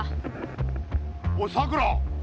おいさくら！